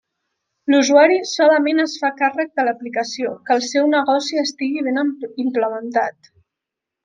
L'usuari solament es fa càrrec de l'aplicació, que el seu negoci estigui ben implementat.